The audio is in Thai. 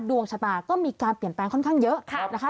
ดวงชะตาก็มีการเปลี่ยนแปลงค่อนข้างเยอะนะคะ